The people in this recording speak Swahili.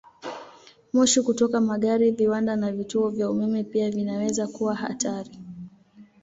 Moshi kutoka magari, viwanda, na vituo vya umeme pia vinaweza kuwa hatari.